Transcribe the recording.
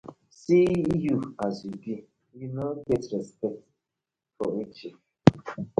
See yur as yu bi, yu no get respect for we chief.